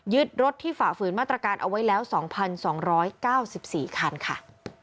รถที่ฝ่าฝืนมาตรการเอาไว้แล้ว๒๒๙๔คันค่ะ